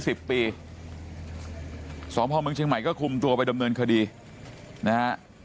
สิบปีสพเมืองเชียงใหม่ก็คุมตัวไปดำเนินคดีนะฮะ